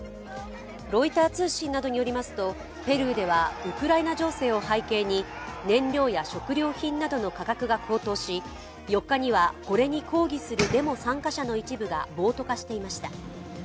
ロイター通信などによりますと、ペルーではウクライナ情勢を背景に燃料や食料品などの価格が高騰し、４日にはこれに抗議するデモ参加者の一部が暴徒化していました。